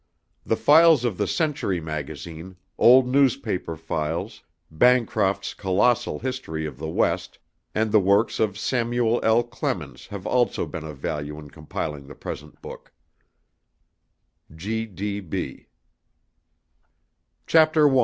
The files of the Century Magazine, old newspaper files, Bancroft's colossal history of the West and the works of Samuel L. Clemens have also been of value in compiling the present book.